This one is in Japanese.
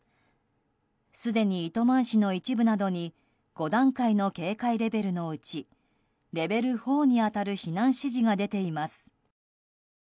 すでに糸満市の一部などに５段階の警戒レベルのうちレベル４に当たる避難指示が出ています。